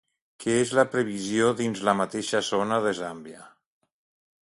Què és la previsió dins de la mateixa zona de Zàmbia